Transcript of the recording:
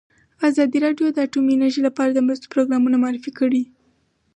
ازادي راډیو د اټومي انرژي لپاره د مرستو پروګرامونه معرفي کړي.